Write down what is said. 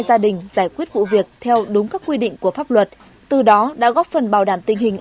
gia đình giải quyết vụ việc theo đúng các quy định của pháp luật từ đó đã góp phần bảo đảm tình hình